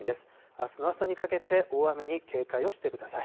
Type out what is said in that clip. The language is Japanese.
あすの朝にかけて大雨に警戒をしてください。